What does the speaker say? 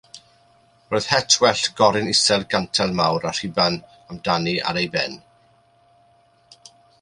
Roedd het wellt goryn isel gantel mawr a ruban am dani am ei ben.